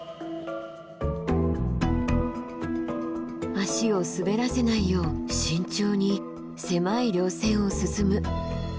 足を滑らせないよう慎重に狭い稜線を進む。